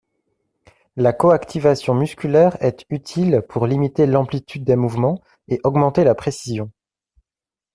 La coactivation musculaire est utile pour limiter l'amplitude des mouvements et augmenter la précision.